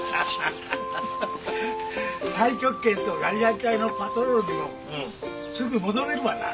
太極拳とガリガリ隊のパトロールにもすぐ戻れるわな。